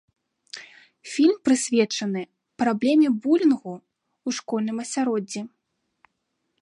Фільм прысвечаны праблеме булінгу ў школьным асяроддзі.